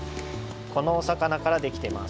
このお魚からできてます。